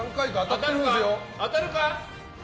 当たるか。